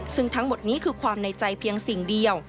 ซึ่งทั้งหมดนี้คือความในใจเพียงสิ่งเดียว